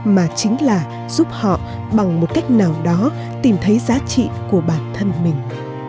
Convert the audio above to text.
mà chính là giúp họ bằng một cách nào đó tìm thấy giá trị của bản thân mình